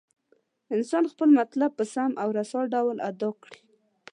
انسان خپل مطلب په سم او رسا ډول ادا کړي.